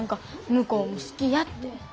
向こうも好きやって。